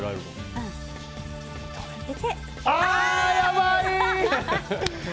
ああ、やばい！